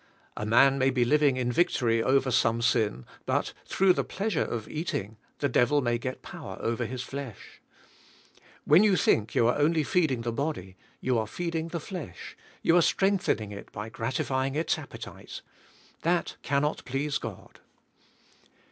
A man may be living in victory over some sin but through the pleasure of ea.ting the devil may get power over his flesh. V7hen you think you are only feeding the body you are feeding the flesh, you are strengthening it by gratifying its appetite. That cannot please God.